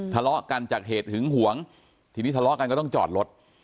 ทะเลาะกันจากเหตุหึงหวงทีนี้ทะเลาะกันก็ต้องจอดรถ